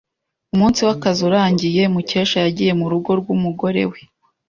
Umunsi wakazi urangiye, Mukesha yagiye murugo rwumugore we.